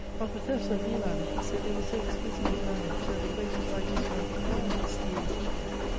Of the thefts of Wieland, he said, they were so exquisitely managed, that the greatest writers might be proud to steal as he did.